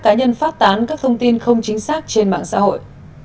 cá nhân phát tán các thông tin không chính xác trên mạng xã hội